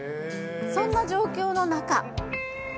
そんな状況の中。